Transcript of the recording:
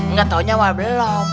nggak taunya mah belum